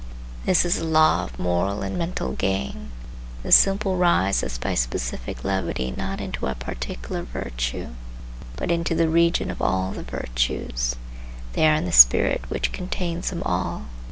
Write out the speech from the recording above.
This is the law of moral and of mental gain. The simple rise as by specific levity not into a particular virtue, but into the region of all the virtues. They are in the spirit which contains them all.